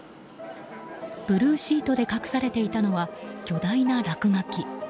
ブルーシートで隠されていたのは巨大な落書き。